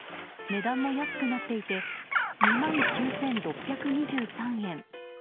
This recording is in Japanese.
値段も安くなっていて２万９６２３円。